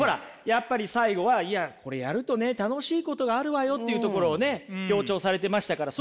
やっぱり最後はいやこれやるとね楽しいことがあるわよっていうところをね強調されてましたから。